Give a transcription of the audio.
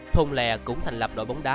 thôn lè cũng thành lập đội bóng đá